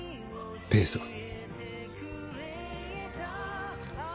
ペースが。